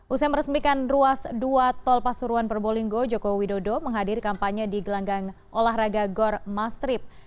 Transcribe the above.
usai meresmikan ruas dua tol pasuruan probolinggo jokowi dodo menghadir kampanye di gelanggang olahraga gor mastrip